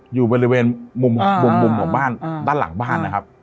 อยู่บริเวณมุมของบ้านด้านหลังบ้านนะครับ